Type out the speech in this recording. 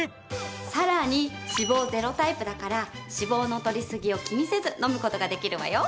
さらに脂肪０タイプだから脂肪のとりすぎを気にせずのむ事ができるわよ。